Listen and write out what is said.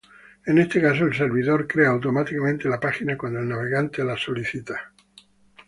En este caso, el servidor crea automáticamente la página cuando el navegante la solicita.